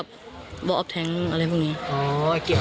แต่ก็เหมือนกับว่าจะไปดูของเพื่อนแล้วก็ค่อยทำส่งครูลักษณะประมาณนี้นะคะ